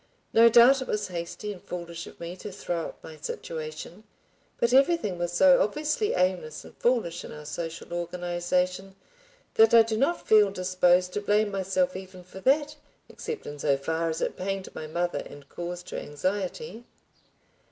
No doubt it was hasty and foolish of me to throw up my situation, but everything was so obviously aimless and foolish in our social organization that I do not feel disposed to blame myself even for that, except in so far as it pained my mother and caused her anxiety.